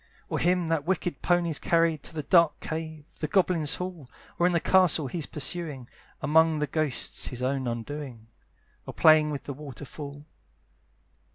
"Or him that wicked pony's carried "To the dark cave, the goblins' hall, "Or in the castle he's pursuing, "Among the ghosts, his own undoing; "Or playing with the waterfall."